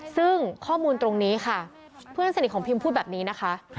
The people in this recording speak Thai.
ซึ่งข้อมูลตรงนี้ค่ะเพื่อนสนิทของพิมพูดแบบนี้นะคะ